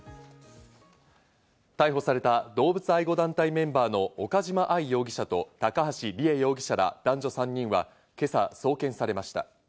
逮捕された動物愛護団体メンバーの岡島愛容疑者と高橋里衣容疑者ら男女３人は今朝送検されました。